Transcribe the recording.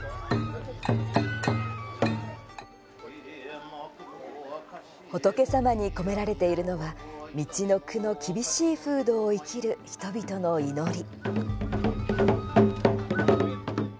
お囃子仏様に込められているのはみちのくの厳しい風土を生きる人々の祈り。